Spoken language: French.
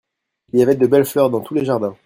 Il y avait de belles fleurs dans tous les jardins.